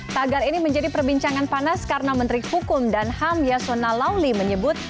tagar ini menjadi perbincangan panas karena menteri hukum dan ham yasona lawli menyebut